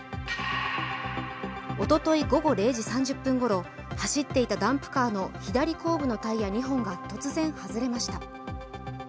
おととい午後０時３０分ごろ走っていたダンプカーの左後方のタイヤが突然外れました。